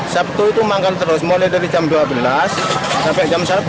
sabtu itu manggal terus mulai dari jam dua belas sampai jam satu